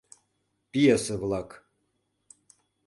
ПЬЕСЕ-ВЛАК